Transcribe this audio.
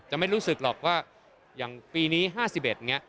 ไม่รู้สึกหรอกว่าอย่างปีนี้๕๑อย่างนี้